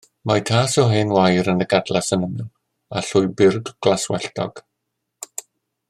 Y mae tas o hen wair yn y gadlas yn ymyl, a llwybr glaswelltog.